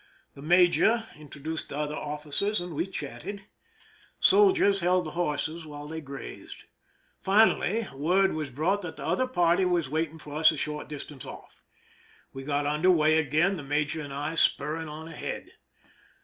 The major introduced the other officers, and we chatted. Soldiers held the horses while they grazed. Fi nally word was brought that the other party was waiting for us a short distance off. We got under way again, the major and I spurring on ahead.